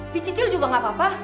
dicicil juga nggak apa apa